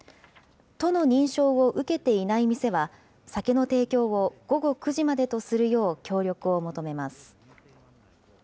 都の認証を受けていない店は、酒の提供を午後９時までとするよう協力を求めます。